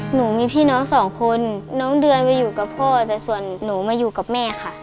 หนูมีพี่น้องสองคนน้องเดือนไปอยู่กับพ่อแต่ส่วนหนูมาอยู่กับแม่ค่ะ